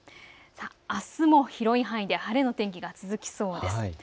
あすも広い範囲で晴れの天気が続きそうです。